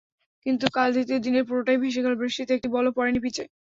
কিন্তু কাল দ্বিতীয় দিনের পুরোটাই ভেসে গেল বৃষ্টিতে, একটি বলও পড়েনি পিচে।